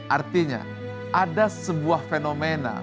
artinya ada sebuah fenomena